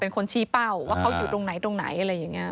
เป็นคนชี้เป้าว่าเขาอยู่ตรงไหนตรงไหนอะไรอย่างนี้